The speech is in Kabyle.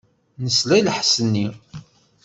Nesla i lḥess-nni.